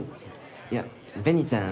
いや紅ちゃん